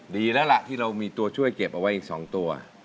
ดีแล้วล่ะที่เรามีตัวช่วยเก็บเอาไว้อีก๒ตัว